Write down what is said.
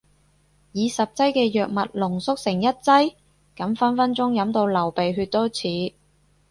以十劑嘅藥物濃縮成一劑？咁分分鐘飲到流鼻血都似